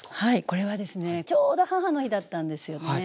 これはですねちょうど母の日だったんですよね。